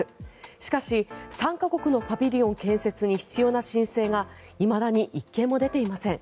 しかし、参加国のパビリオン建設に必要な申請がいまだに１件も出ていません。